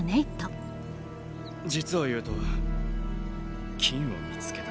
実を言うと金を見つけた。